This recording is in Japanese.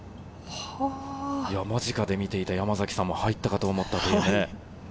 間近で見ていた山崎さんも入ったかと思ったとね。